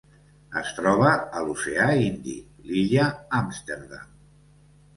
Es troba a l'oceà Índic: l'illa Amsterdam.